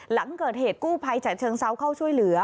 หลังเกิดเหตุกู้ภัยจากเชิงเซาเข้าช่วยเหลือ